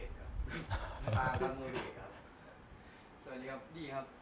สวัสดีครับ